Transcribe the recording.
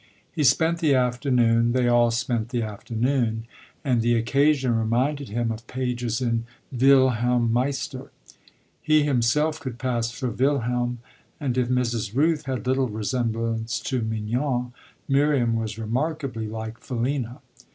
He spent the afternoon, they all spent the afternoon, and the occasion reminded him of pages in Wilhelm Meister. He himself could pass for Wilhelm, and if Mrs. Rooth had little resemblance to Mignon, Miriam was remarkably like Philina.